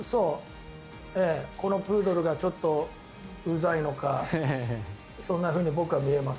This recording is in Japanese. このプードルがちょっとうざいのかそんなふうに僕は見えます。